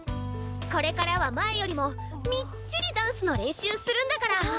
これからは前よりもみっちりダンスの練習するんだから。